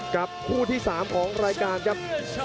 กับคู่ที่๓ของรายการครับ